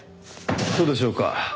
そうでしょうか？